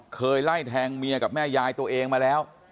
เคยไล่แทงเมียกับแม่ยายตัวเองมาแล้ว